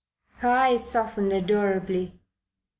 Her eyes softened adorably.